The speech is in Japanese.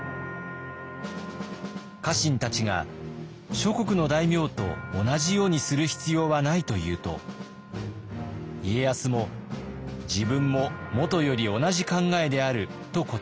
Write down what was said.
家臣たちが「諸国の大名と同じようにする必要はない」と言うと家康も「自分ももとより同じ考えである」と答えた。